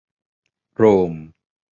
โรม